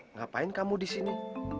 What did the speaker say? ngapain kamu disini